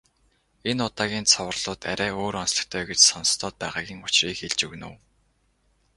Энэ удаагийн цувралууд арай өөр онцлогтой гэж сонстоод байгаагийн учрыг хэлж өгнө үү.